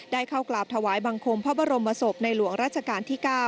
เข้ากราบถวายบังคมพระบรมศพในหลวงราชการที่๙